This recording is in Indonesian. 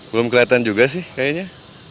belum kelihatan juga sih kayaknya